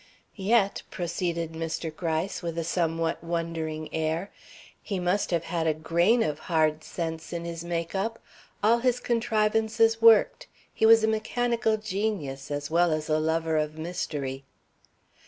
"Yet," proceeded Mr. Gryce, with a somewhat wondering air, "he must have had a grain of hard sense in his make up. All his contrivances worked. He was a mechanical genius, as well as a lover of mystery."